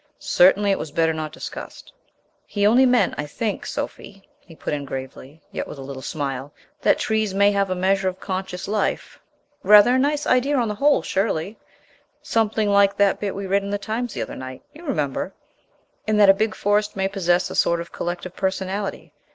Certainly it was better not discussed. "He only meant, I think, Sophie," he put in gravely, yet with a little smile, "that trees may have a measure of conscious life rather a nice idea on the whole, surely, something like that bit we read in the Times the other night, you remember and that a big forest may possess a sort of Collective Personality.